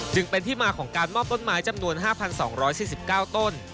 จึงเป็นที่มาของการมอบต้นไม้จำนวน๕๒๔๙ต้น